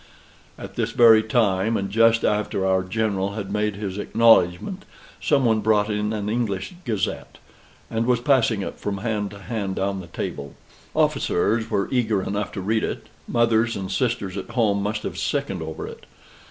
At this very time, and just after our General had made his acknowledgment, some one brought in an English Gazette and was passing it from hand to hand down the table. Officers were eager enough to read it; mothers and sisters at home must have sickened over it.